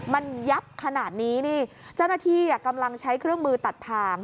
มันยับขนาดนี้นี่เจ้าหน้าที่กำลังใช้เครื่องมือตัดทาง